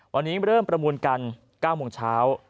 วันนี้เริ่มประมูลกัน๙โมงเช้า